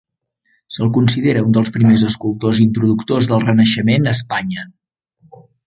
Se'l considera un dels primers escultors introductors del renaixement a Espanya.